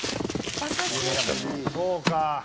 「そうか」